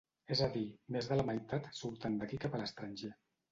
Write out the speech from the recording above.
És a dir, més de la meitat surten d’aquí cap a l’estranger.